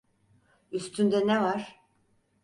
Üstünde ne var?